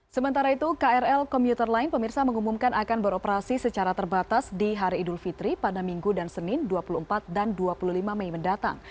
sementara itu krl komuter lain pemirsa mengumumkan akan beroperasi secara terbatas di hari idul fitri pada minggu dan senin dua puluh empat dan dua puluh lima mei mendatang